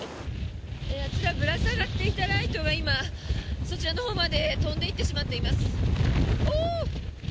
あちらぶら下がっていたライトが今、そちらのほうまで飛んでいってしまっています。